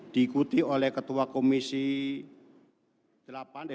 diikuti oleh ketua komisi delapan dpr ri kejabat eslon satu dan eslon dua